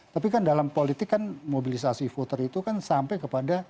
tapi kan dalam politik kan mobilisasi voter itu kan sampai kepada